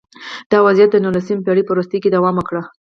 دا وضعیت د نولسمې پېړۍ په وروستیو کې دوام وکړ